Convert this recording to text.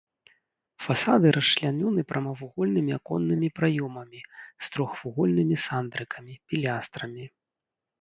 Фасады расчлянёны прамавугольнымі аконнымі праёмамі з трохвугольнымі сандрыкамі, пілястрамі.